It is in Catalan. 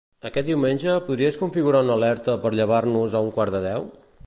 Aquest diumenge podries configurar una alerta per llevar-nos a un quart de deu?